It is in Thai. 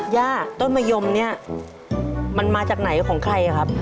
ย่าต้นมะยมเนี่ยมันมาจากไหนของใครครับ